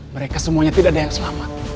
mereka semuanya tidak ada yang selamat